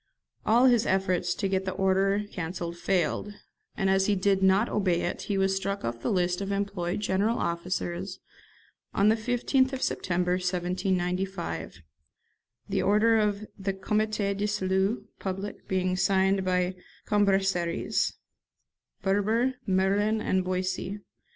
All his efforts to get the order cancelled failed, and as he did not obey it he was struck off the list of employed general officers on the 15th of September 1795, the order of the 'Comité de Salut Public' being signed by Cambaceres, Berber, Merlin, and Boissy.